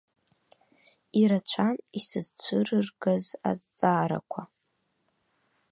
Ирацәан исызцәырыргаз азҵаарақәа.